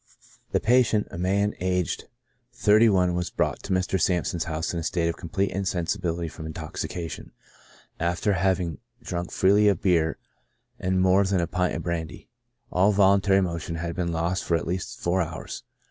The patient, a man aged 31, was brought to Mr. Samp son's house in a state of complete insensibility from intox ication, after having drunk freely of beer and more than a pint of brandy. All voluntary motion had been lost for at least four hours.